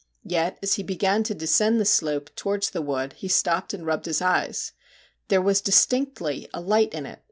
Yet as he began to descend the slope towards the wood, he stopped and rubbed his eyes. There was distinctly a light in it.